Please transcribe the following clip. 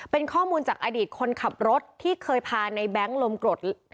เป็นข้อมูลจากอดีตคนขับรถที่เคยพาในแบงค์ลมกรด